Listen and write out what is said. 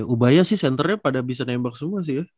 ubaya sih senternya pada bisa nembak semua sih ya